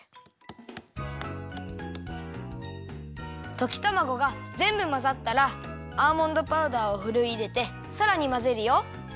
ときたまごがぜんぶまざったらアーモンドパウダーをふるいいれてさらにまぜるよ。